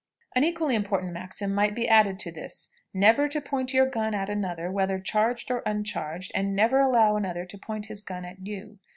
_" An equally important maxim might be added to this: _Never to point your gun at another, whether charged or uncharged, and never allow another to point his gun at you.